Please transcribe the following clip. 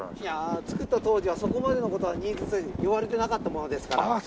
いやあ造った当時はそこまでの事は言われてなかったものですから。